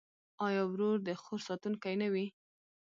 آیا ورور د خور ساتونکی نه وي؟